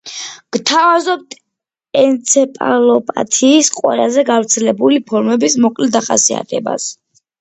გთავაზობთ ენცეფალოპათიის ყველაზე გავრცელებული ფორმების მოკლე დახასიათებას.